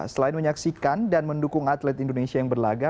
selain menyaksikan dan mendukung atlet indonesia yang berlaga